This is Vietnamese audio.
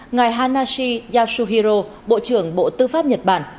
ngài hanashi yasuhiro bộ trưởng bộ tư pháp nhật bản